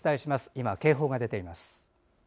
今、警報が出ています。